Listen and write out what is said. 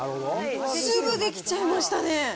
すぐ出来ちゃいましたね。